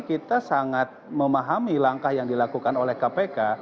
kita sangat memahami langkah yang dilakukan oleh kpk